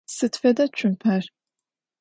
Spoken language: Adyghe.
Сыд фэда цумпэр?